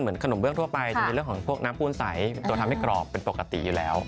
ขนมเบื้องทั่วไปจะมีเรื่องของพวกน้ำปูนใสเป็นตัวทำให้กรอบเป็นปกติอยู่แล้ว